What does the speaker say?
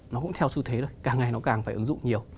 nó cũng theo xu thế rồi càng ngày nó càng phải ứng dụng nhiều